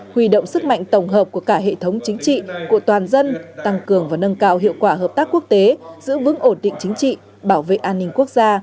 huy động sức mạnh tổng hợp của cả hệ thống chính trị của toàn dân tăng cường và nâng cao hiệu quả hợp tác quốc tế giữ vững ổn định chính trị bảo vệ an ninh quốc gia